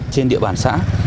trên địa bàn xã